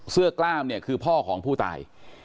กล้ามเนี่ยคือพ่อของผู้ตาย